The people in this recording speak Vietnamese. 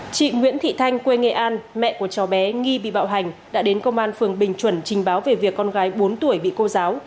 chị nguyễn thị thanh quê nghệ an mẹ của cháu bé nghi bị bạo hành đã đến công an phường bình chuẩn trình báo về việc con gái bốn tuổi bị cô giáo